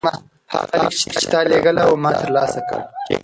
هغه لیک چې تا لیږلی و ما ترلاسه کړ.